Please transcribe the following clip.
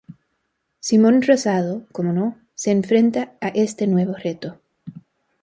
Simón Rosado, como no, se enfrenta a este nuevo reto.